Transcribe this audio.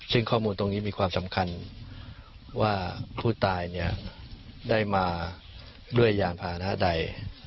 ซึ่งข้อมูลตรงนี้มีความสำคัญว่าผู้ตายได้มาด้วยยานพานะใด